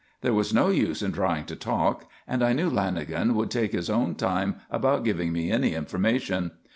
There was no use in trying to talk and I knew Lanagan would take his own time about giving me any information.